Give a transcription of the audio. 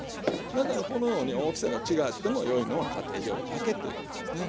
だからこのように大きさが違ってもよいのは家庭料理だけということなんですね。